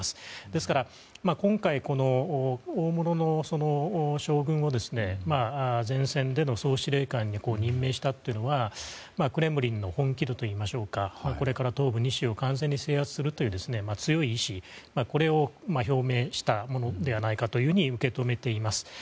ですから今回、大物の将軍を前線の総司令官に任命したというのはクレムリンの本気度といいましょうかこれから東部２州を完全に制圧するというこれを表明したものではないかと受け止めています。